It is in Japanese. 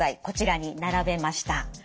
こちらに並べました。